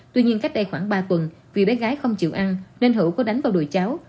tuy nhiên cách đây khoảng ba tuần vì bé gái không chịu ăn nên hữu có đánh vào đuổi cháu